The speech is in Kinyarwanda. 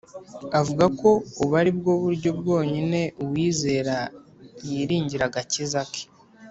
avuga ko ubu ari bwo buryo bwonyine uwizera yiringira agakiza ke.